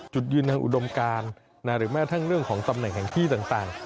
จุดยืนทางอุดมการหรือแม้ทั้งเรื่องของตำแหน่งแห่งที่ต่าง